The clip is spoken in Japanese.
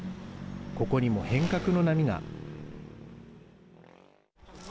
ここにも変革の波が。